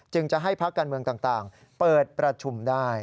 จะให้พักการเมืองต่างเปิดประชุมได้